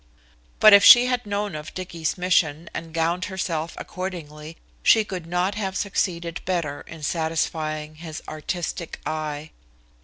But if she had known of Dicky's mission and gowned herself accordingly she could not have succeeded better in satisfying his artistic eye.